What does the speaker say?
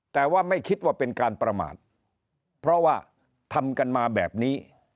แต่ว่าไม่คิดว่าเป็นการประมาทเพราะว่าทำกันมาแบบนี้